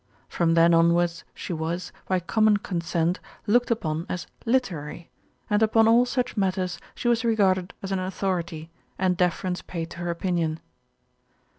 From then onwards she was, by common con sent, looked upon as "literary," and upon all such matters she was regarded as an authority, and defer ence paid to her opinion.